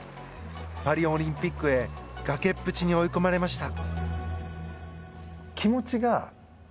パリオリンピックへ崖っぷちに追い込まれました。